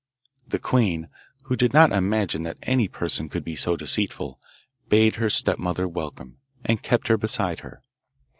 The queen, who did not imagine that any person could be so deceitful, bade her stepmother welcome, and kept her beside her.